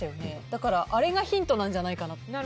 だから、あれがヒントなんじゃないかなと。